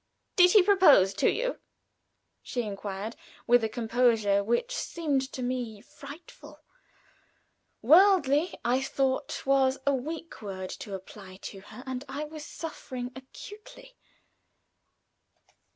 "Did he propose to you?" she inquired, with a composure which seemed to me frightful. "Worldly," I thought, was a weak word to apply to her, and I was suffering acutely.